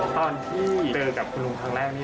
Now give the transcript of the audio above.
ตอนที่เจอกับคุณลุงครั้งแรกนี่